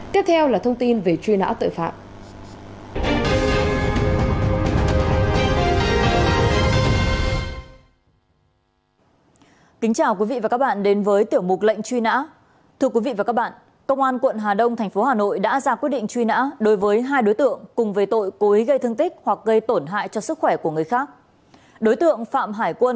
tiếp theo là thông tin về truy nã tội phạm